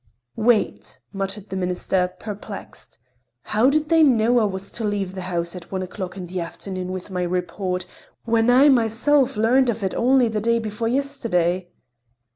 "Wait!" muttered the Minister, perplexed. "How did they know that I was to leave the house at one o'clock in the afternoon with my report, when I myself learned of it only the day before yesterday?"